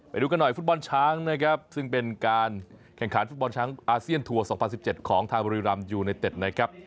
ไปดูกันหน่อยฟุตบอลช้างนะครับซึ่งเป็นการแข่งขันฟุตบอลช้างอาเซียนทัวร์๒๐๑๗ของทางบุรีรำยูไนเต็ดนะครับ